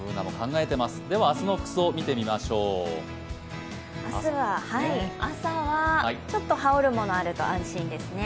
では明日の服装、見てみましょう朝はちょっと羽織るものがあると安心ですね。